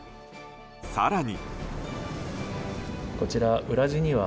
更に。